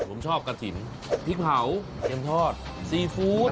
ผมชอบกระถิ่นพริกเผาเค็มทอดซีฟู้ด